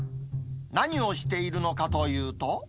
何をしているのかというと。